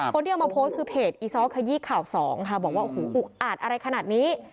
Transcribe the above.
คนที่เอามาโพสต์คือเพจอีซ้อขยี้ข่าวสองค่ะบอกว่าโอ้โหอุกอาจอะไรขนาดนี้